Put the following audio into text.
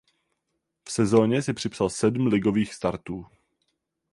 V sezóně si připsal sedm ligových startů.